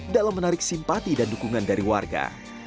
dalam menarik simpati dan dukungan dari warga